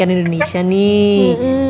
ini kan indonesia nih